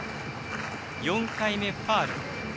４回目、ファウル。